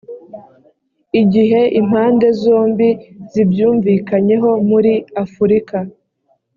igihe impande zombi zibyumvikanyeho muri afurika